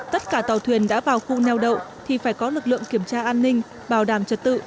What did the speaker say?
tất cả tàu thuyền đã vào khu neo đậu thì phải có lực lượng kiểm tra an ninh bảo đảm trật tự